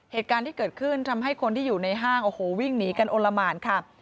เหตุการณ์ที่เกิดขึ้นทำให้คนที่อยู่ในห้างโอ้โหวิ่งหนีกันโอละหมานค่ะ